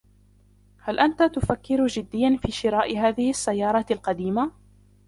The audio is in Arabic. هل أنت تفكر جديا في شراء هذه السيارة القديمة ؟